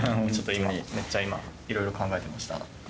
めっちゃ今、いろいろ考えてました。